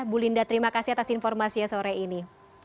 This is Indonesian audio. bu linda terima kasih atas informasi ya sore ini